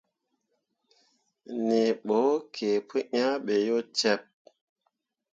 Nii bo kǝǝ pu yah be yo ceɓ.